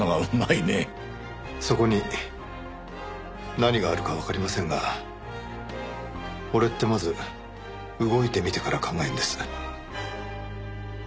そこに何があるかわかりませんが俺ってまず動いてみてから考えるんです